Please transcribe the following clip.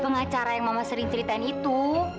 pengacara yang mama sering ceritain itu